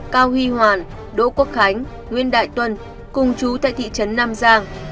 cao huy hoàn đỗ quốc khánh nguyên đại tuần cùng chú tại thị trấn nam giang